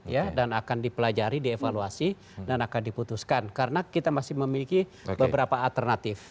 ya dan akan dipelajari dievaluasi dan akan diputuskan karena kita masih memiliki beberapa alternatif